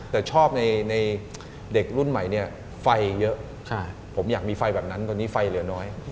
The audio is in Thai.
แต่ชอบในเด็กรุ่นใหม่เนี่ยไฟเยอะผมอยากมีไฟแบบนั้นตอนนี้ไฟเหลือน้อย